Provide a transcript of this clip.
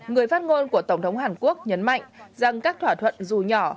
người phát ngôn của tổng thống hàn quốc nhấn mạnh rằng các thỏa thuận dù nhỏ